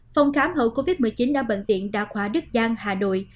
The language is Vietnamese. phòng khám hậu covid một mươi chín ở bệnh viện đa khoa đức giang hà nội